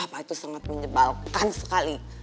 nah papa itu sangat menyebalkan sekali